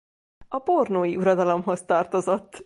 A pornói uradalomhoz tartozott.